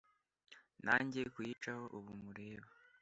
Na njye kuyicaho ubu mureba